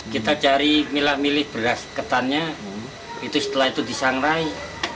kita cari mila milih beras ketannya itu setelah itu disangrai